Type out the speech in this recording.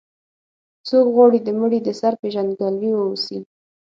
څوک غواړي د مړي د سر پېژندګلوي واوسي.